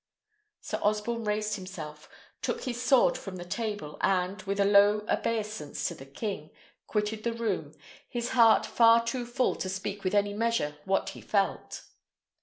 Sir Osborne raised himself, took his sword from the table, and, with a low obeisance to the king, quitted the room, his heart far too full to speak with any measure what he felt.